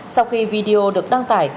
sau khi video được đăng tải